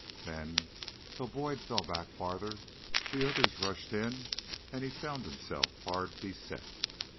Then, though Boyd fell back farther, the others rushed in and he found himself hard beset.